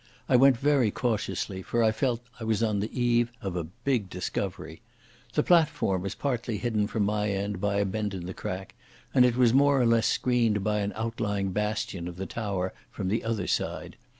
I went very cautiously, for I felt I was on the eve of a big discovery. The platform was partly hidden from my end by a bend in the crack, and it was more or less screened by an outlying bastion of the tower from the other side.